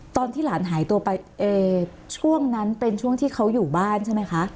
ตอนที่หลานหายตัวไปช่วงนั้นเป็นช่วงที่เขาอยู่บ้านใช่ไหมคะ